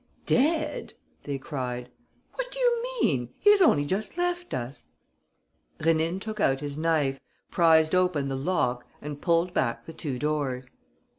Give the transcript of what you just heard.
"Dead!" they cried. "What do you mean? He has only just left us." Rénine took out his knife, prized open the lock and pulled back the two doors.